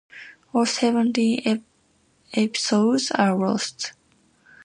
All seventeen episodes are lost.